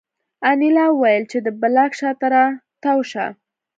انیلا وویل چې د بلاک شا ته را تاو شه